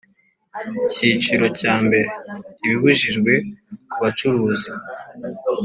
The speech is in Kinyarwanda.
Icyiciro cya mbere Ibibujijwe ku bacuruza